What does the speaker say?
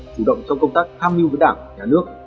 chủ động trong công tác tham mưu với đảng nhà nước